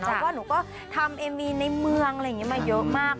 เพราะว่าหนูก็ทำเอมีนในเมืองอะไรอย่างนี้มาเยอะมาก